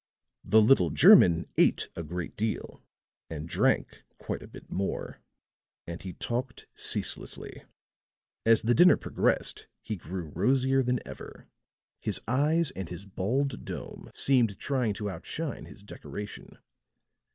The little German ate a great deal and drank quite a bit more. And he talked ceaselessly. As the dinner progressed he grew rosier than ever; his eyes and his bald dome seemed trying to out shine his decoration.